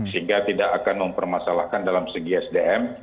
sehingga tidak akan mempermasalahkan dalam segi sdm